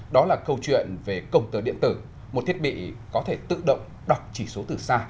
đó là câu chuyện về công tơ điện tử một thiết bị có thể tự động đọc chỉ số từ xa